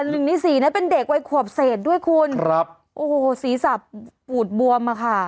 หนึ่งหนึ่งสี่นะเป็นเด็กไว้ขวบเศษด้วยคุณครับโอ้โหศรีศัพท์อุดบวมอ่ะค่ะ